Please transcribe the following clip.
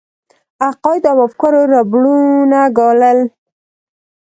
عقایدو او افکارو ربړونه ګالل.